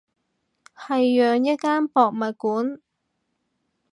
係養一間博物館